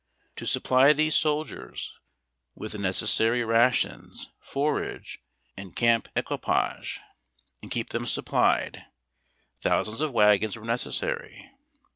To supply these soldiers with the necessary rations, forage, and camp equipage, and keep them supplied, thou sands of wagons were necessary.